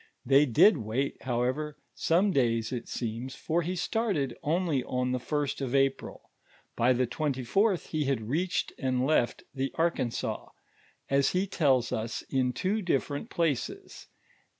ITiey did wait, however, some days it seems, for he started only on the first of April; by the twenty fourth, he had reached and left the Arkansas, as he tells us in two different places (pp.